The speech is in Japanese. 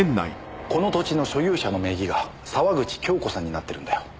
この土地の所有者の名義が沢口京子さんになってるんだよ。